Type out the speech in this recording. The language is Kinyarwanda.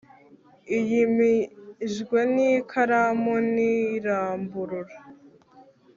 iyimijwe n'ikaramu ntiramburura